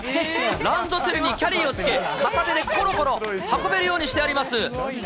ランドセルにキャリーを付け、片手でころころ運べるようにしてあります。